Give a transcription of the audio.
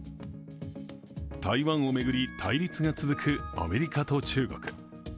台湾を巡り、対立が続くアメリカと中国。